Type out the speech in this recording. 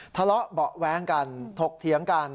ทะเลาะเบาะแว้งกันถกเถียงกัน